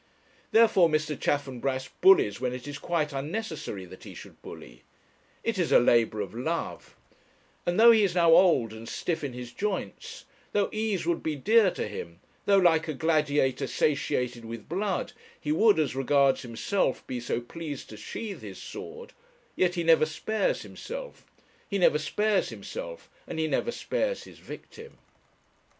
Therefore Mr. Chaffanbrass bullies when it is quite unnecessary that he should bully; it is a labour of love; and though he is now old, and stiff in his joints, though ease would be dear to him, though like a gladiator satiated with blood, he would as regards himself be so pleased to sheathe his sword, yet he never spares himself. He never spares himself, and he never spares his victim.